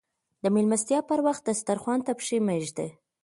د ميلمستيا پر وخت دسترخوان ته پښې مه ږدئ.